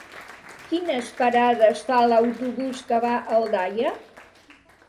Quines parades fa l'autobús que va a Aldaia?